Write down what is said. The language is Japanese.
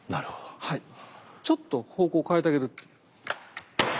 ちょっと方向を変えてあげる。